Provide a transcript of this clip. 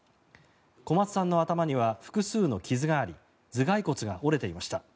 小松さんの頭には複数の傷があり頭がい骨が折れていました。